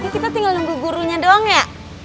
kita tinggal nunggu gurunya doang ya